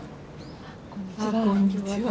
ああこんにちは。